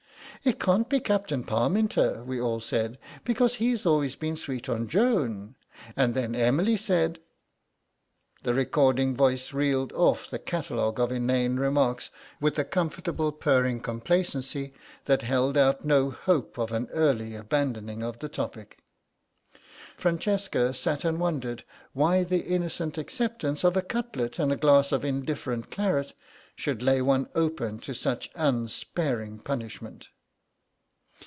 'It can't be Captain Parminter,' we all said, 'because he's always been sweet on Joan.' And then Emily said—" The recording voice reeled off the catalogue of inane remarks with a comfortable purring complacency that held out no hope of an early abandoning of the topic. Francesca sat and wondered why the innocent acceptance of a cutlet and a glass of indifferent claret should lay one open to such unsparing punishment.